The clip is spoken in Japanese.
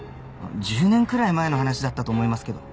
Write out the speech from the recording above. １０年くらい前の話だったと思いますけど。